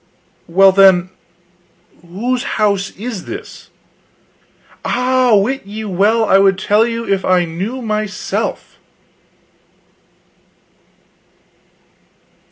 "Well, then, whose house is this?" "Ah, wit you well I would tell you an I knew myself."